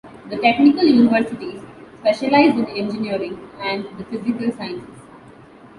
The "technical universities" specialize in engineering and the physical sciences.